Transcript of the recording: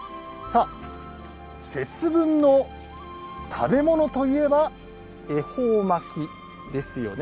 節分の食べ物といえば恵方巻きですよね。